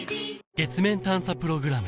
月面探査プログラム